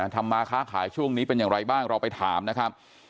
ทำมาค้าขายช่วงนี้เป็นอย่างไรบ้างเราไปถามนะครับ